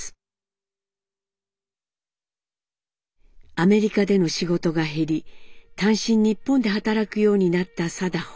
アメリカでの仕事が減り単身日本で働くようになった禎穗。